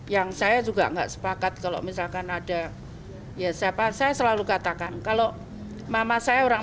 yang saya juga enggak sepakat kalau misalkan ada ya siapa saya selalu katakan kalau mama saya orang